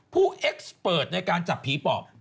ผู้เอกซ์เปิร์ตในการจับผีปอบ